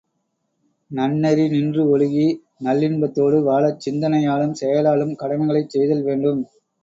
நன்நெறி நின்று ஒழுகி நல்லின்பத்தோடு வாழச் சிந்தனையாலும், செயலாலும் கடமைகளைச் செய்தல் வேண்டும்.